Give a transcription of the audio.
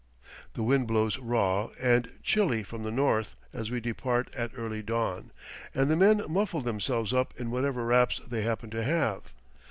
The wind blows raw and chilly from the north as we depart at early dawn, and the men muffle themselves up in whatever wraps they happen to have.